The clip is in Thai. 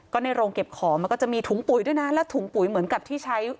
ก็ในโรงเก็บของมันก็จะมีถุงปุ๋ยด้วยนะแล้วถุงปุ๋ยเหมือนกับที่ใช้